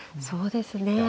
そうですね。